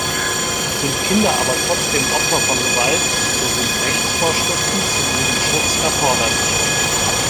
Sind Kinder aber trotzdem Opfer von Gewalt, so sind Rechtsvorschriften zu ihrem Schutz erforderlich.